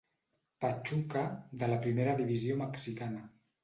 Pachuca de la Primera Divisió Mexicana.